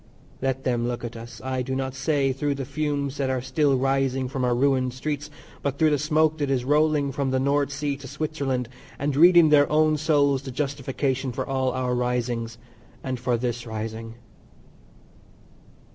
Let them look at us, I do not say through the fumes that are still rising from our ruined streets, but through the smoke that is rolling from the North Sea to Switzerland, and read in their own souls the justification for all our risings, and for this rising.